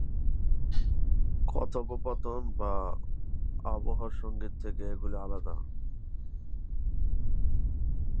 কথোপকথন বা আবহ সঙ্গীত থেকে এগুলি আলাদা।